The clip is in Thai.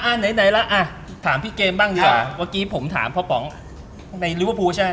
อ่าไหนแล้วถามพี่เกมบ้างเถอะเมื่อกี้ผมถามพ่อป๋องในลิเวอร์ฟูลใช่ไหม